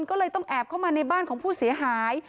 ก็เลยต้องแอบเข้ามาในบ้านของผู้เสียหาย